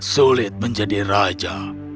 sulit menjadi raja